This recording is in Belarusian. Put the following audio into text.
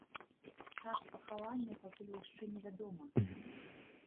Час пахавання пакуль яшчэ невядомы.